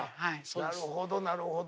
なるほどなるほど。